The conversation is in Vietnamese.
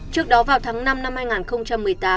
trước đó vào tháng năm năm hai nghìn một mươi tám